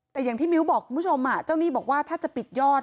แต่อย่างที่มิ้วบอกคุณผู้ชมเจ้าหนี้บอกว่าถ้าจะปิดยอด